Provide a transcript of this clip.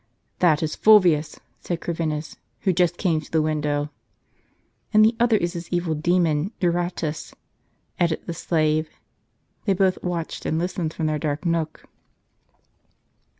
"That is Fulvius," said Corvinus, "who just came to the window." "And the other is his evil demon, Eurotas," added the slave. They both watched and listened from their dark nook.